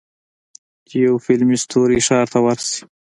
یو فلمي ستوری ښار ته ورشي.